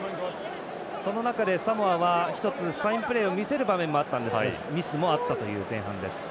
その中でサモアは一つサインプレーを見せる場面もあったんですがミスもあったという前半です。